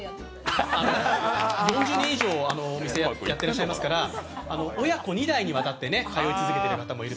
４０年以上お店やってらっしゃいますらか親子２代にわたって通い続けている方も。